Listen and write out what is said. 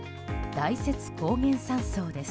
大雪高原山荘です。